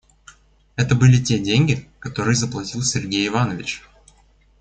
Это были те деньги, которые заплатил Сергей Иванович.